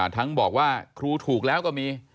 ทั้งบอกว่าครูถูกแล้วก็มี